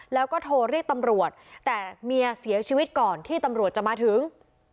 แล้วก็โทรเรียกตำรวจแต่เมียเสียชีวิตก่อนที่ตำรวจจะมาถึง